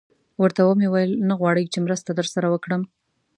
ورته ومې ویل: نه غواړئ چې مرسته در سره وکړم؟